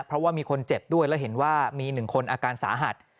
เพราะว่ามีคนเจ็บด้วยแล้วเห็นว่ามี๑คนอาการสาหัส